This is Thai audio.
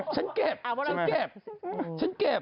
ฉันเก็บฉันเก็บ